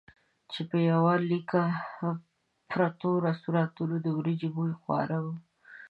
چې په یوه لیکه پرتو رستورانتونو د وریجو بوی خواره وو.